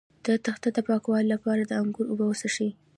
د تخه د پاکوالي لپاره د انګور اوبه وڅښئ